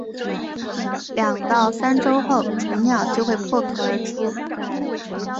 两到三周后雏鸟就会破壳而出。